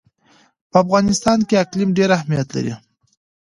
په افغانستان کې اقلیم ډېر اهمیت لري.